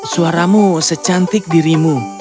suaramu secantik dirimu